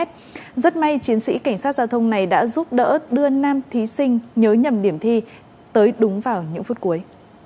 rất may chiến sĩ cảnh sát giao thông này đã giúp đỡ đưa nam thí sinh nhớ nhầm điểm thi tới đúng vào những phút cuối